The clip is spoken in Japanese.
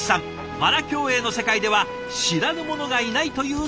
パラ競泳の世界では知らぬ者がいないという存在。